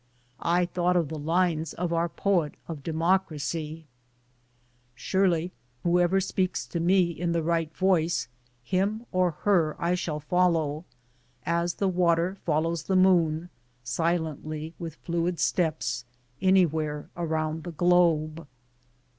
I thought of the lines of our poet of Democracy :—" Surely, whoever speaks to me in the right voice, him or her I shall follow, As the water follows tlie moon, silenth^ with fluid steps, anywhere around the globe."